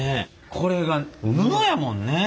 これが布やもんね。